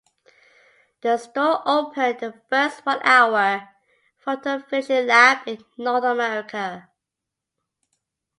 The store opened the first one-hour photofinishing lab in North America.